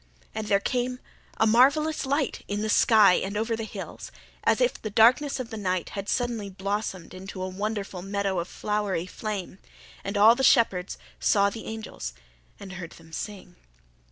And there came a marvellous light in the sky and over the hills, as if the darkness of the night had suddenly blossomed into a wonderful meadow of flowery flame; and all the shepherds saw the angels and heard them sing.